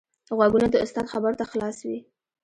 غوږونه د استاد خبرو ته خلاص وي